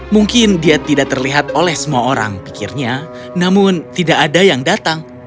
mungkin dia tidak terlihat oleh semua orang pikirnya namun tidak ada yang datang